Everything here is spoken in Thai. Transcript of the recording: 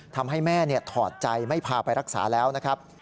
ทำให้แม่ถอดใจไม่พาไปรักษาแล้วนะครับ